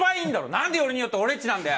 何でよりによっておれっちなんだよ！